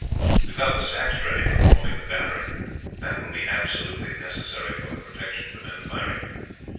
You have got the sacks ready for forming the battery; that will be absolutely necessary for the protection of the men firing.